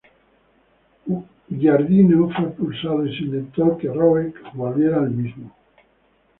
Giardino fue expulsado, y se intentó que Rowek volviera al mismo.